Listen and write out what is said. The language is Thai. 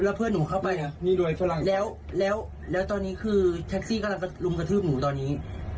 แล้วเพื่อนหนูเข้าไปแล้วตอนนี้คือแท็กซี่กำลังลุมกระทืบหนูตอนนี้